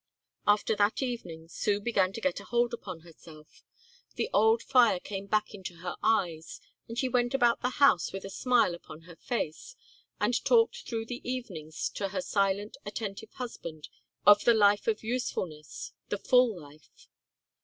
After that evening Sue began to get a hold upon herself. The old fire came back into her eyes and she went about the house with a smile upon her face and talked through the evenings to her silent, attentive husband of the life of usefulness, the full life.